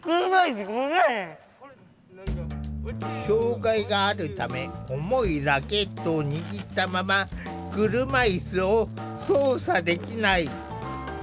障害があるため重いラケットを握ったまま車いすを操作できない。